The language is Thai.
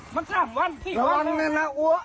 มันสร้างวันวันนั้นแล้วอัว